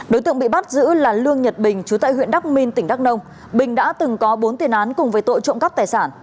đối tượng bị bắt giữ là lương nhật bình chú tại huyện đắk minh tỉnh đắk nông bình đã từng có bốn tiền án cùng với tội trộm cắp tài sản